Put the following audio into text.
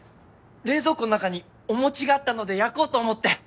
冷蔵庫の中にお餅があったので焼こうと思って。